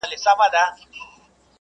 هغه څوک چي کتابونه ليکي پوهه زياتوي.